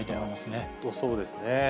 本当そうですね。